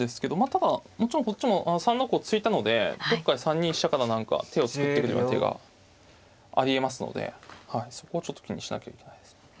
ただもちろんこっちも３六を突いたのでどっかで３二飛車から何か手を作ってくるような手がありえますのでそこはちょっと気にしなきゃいけないですね。